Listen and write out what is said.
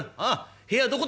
部屋どこだ？」。